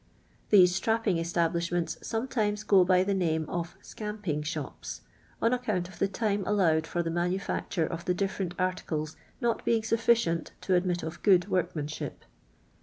These stnipping ostablishnients sometimes go by the name of " scamping shops," on account of the time allowni tur the manufacture of the dilferent articles not being sutlicient to admit of goud worknianshij».